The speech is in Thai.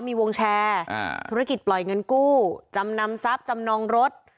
มีวงแชร์ธุรกิจปล่อยเงินกู้จำนำทรัพย์จำนองรถ